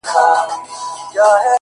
ستا په ليدو مي ژوند د مرگ سره ډغري وهي ـ